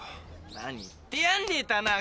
何言ってやんでえ田中。